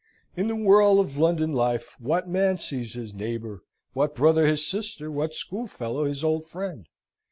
In the whirl of London life, what man sees his neighbour, what brother his sister, what schoolfellow his old friend?